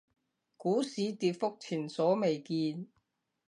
股市跌幅前所未見